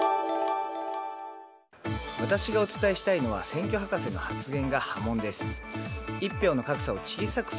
私がお伝えしたいのは選挙博士の発言が波紋です。